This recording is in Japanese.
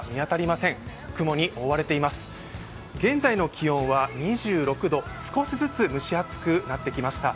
現在の気温は２６度、少しずつ蒸し暑くなってきました。